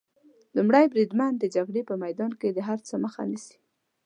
لومړی بریدمن د جګړې په میدان کې د هر څه مخه نیسي.